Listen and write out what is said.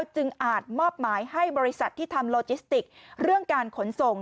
อาจมอบหมายให้บริษัทที่ทำโลจิสติกเรื่องการขนส่ง